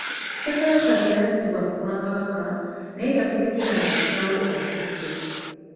Ssekabaka Chwa yassibwa ku bwakabaka, naye yabusikira nga kitaawe afudde.